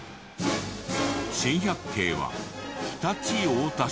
珍百景は常陸太田市に。